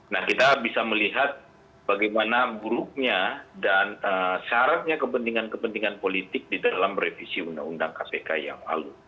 nah kita bisa melihat bagaimana buruknya dan syaratnya kepentingan kepentingan politik di dalam revisi undang undang kpk yang lalu